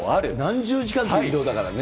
何十時間という移動だからね。